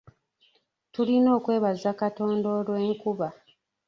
Tulina okwebaza Katonda olw'enkuba .